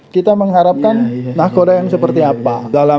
kita mengharapkan nahkoda yang seperti apa